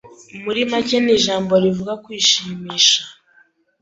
Muri make ni ijambo rivuga kwishimisha.